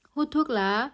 hút thuốc lá